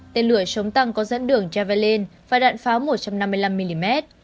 tên lửa sống tăng có dẫn đường javalin và đạn pháo một trăm năm mươi năm mm